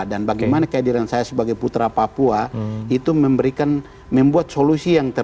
dan bagaimana kehadiran saya sebagai putra papua itu memberikan membuat solusi yang sangat penting